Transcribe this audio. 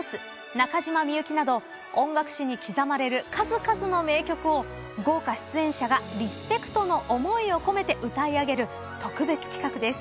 中島みゆきなど音楽史に刻まれる数々の名曲を豪華出演者がリスペクトの思いを込めて歌い上げる特別企画です。